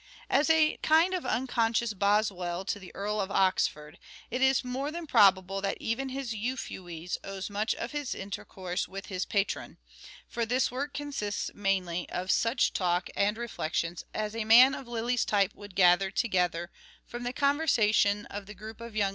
As a kind of unconscious Boswell to the Earl of Oxford it is more than probable that even his " Euphues," owes much to his intercourse with his patron ; for this work consists mainly of such talk MANHOOD OF DE VERE : MIDDLE PERIOD 327 and reflections as a man of Lyly's type would gather " Euphues," together from the conversation of the group of young